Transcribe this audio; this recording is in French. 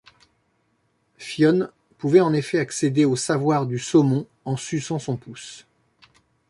Fionn pouvait en effet accéder au savoir du saumon en suçant son pouce.